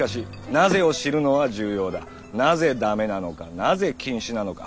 「なぜ」ダメなのか「なぜ」禁止なのか。